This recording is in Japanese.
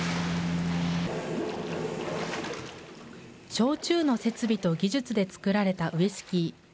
焼酎の設備と技術で造られたウイスキー。